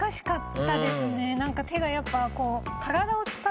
何か手がやっぱ。